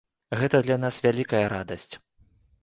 Гэта для нас вялікая радасць!